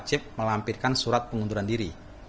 wajib melampirkan surat pengunduran diri